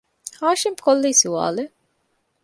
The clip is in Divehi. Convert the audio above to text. ؟ ހާޝިމް ކޮށްލީ ސްވާލެއް